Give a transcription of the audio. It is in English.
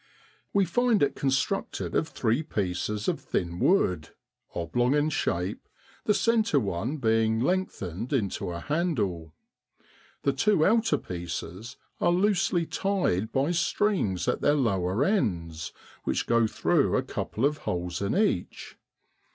We find it constructed of three pieces of thin wood, oblong in shape, the centre one being lengthened into a handle. The two outer pieces are loosely tied by strings at their lower ends, which go through a couple of holes in each.